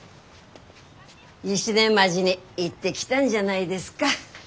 石音町に行ってきたんじゃないですか？